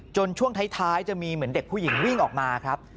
ช่วงท้ายจะมีเหมือนเด็กผู้หญิงวิ่งออกมาครับ